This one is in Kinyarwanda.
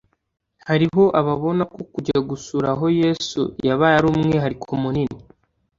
Hariho ababona ko kujya gusura aho Yesu yabaye ari umwihariko munini,